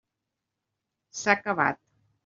S'ha acabat.